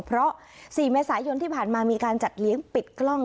เพราะ๔เมษายนที่ผ่านมามีการจัดเลี้ยงปิดกล้อง